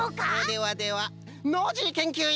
ではではノージーけんきゅういん！